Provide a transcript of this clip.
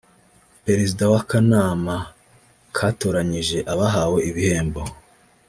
Perezida w’akanama katoranyije abahawe ibihembo